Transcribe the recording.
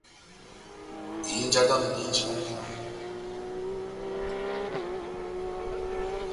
Ihinja dámi dihinjinɔ ó mʼpudungu,